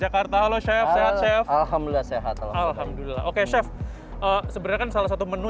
jakarta halo chef sehat chef alhamdulillah sehat alhamdulillah oke chef sebenarnya kan salah satu menu